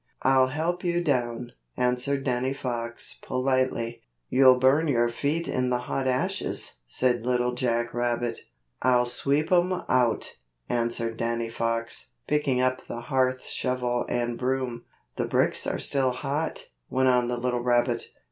"I'll help you down," answered Danny Fox, politely. "You'll burn your feet in the hot ashes," said Little Jack Rabbit. "I'll sweep 'em out," answered Danny Fox, picking up the hearth shovel and broom. "The bricks are still hot," went on the little rabbit.